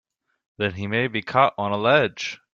Then he may be caught on a ledge!